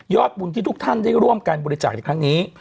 บุญที่ทุกท่านได้ร่วมการบริจาคในครั้งนี้